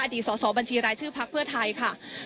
ดีสอบบัญชีรายชื่อพักเพื่อไทยค่ะ